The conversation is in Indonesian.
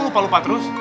lupa lupa pak ustadz